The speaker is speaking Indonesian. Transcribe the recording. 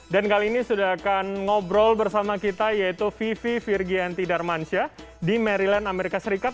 dan kali ini sudah akan ngobrol bersama kita yaitu vivi virgianti darmansyah di maryland amerika serikat